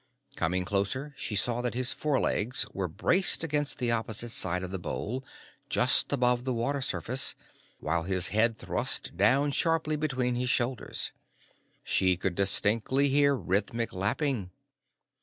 Coming closer, she saw that his forelegs were braced against the opposite side of the bowl, just above the water surface, while his head thrust down sharply between his shoulders. She could distinctly hear rhythmic lapping.